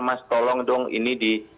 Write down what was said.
mas tolong dong ini di